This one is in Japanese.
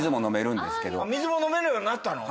水も飲めるようになったの？